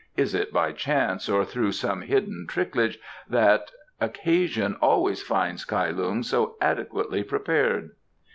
"Is it by chance or through some hidden tricklage that occasion always finds Kai Lung so adequately prepared?"